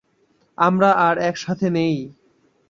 আমরা আর একসাথে নেই।